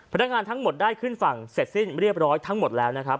พนักงานทั้งหมดได้ขึ้นฝั่งเสร็จสิ้นเรียบร้อยทั้งหมดแล้วนะครับ